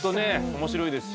面白いですし。